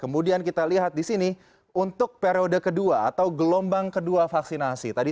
kemudian kita lihat di sini untuk periode kedua atau gelombang kedua vaksinasi tadi